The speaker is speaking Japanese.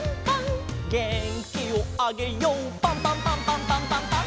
「げんきをあげようパンパンパンパンパンパンパン！！」